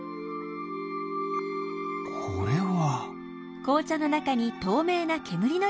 これは。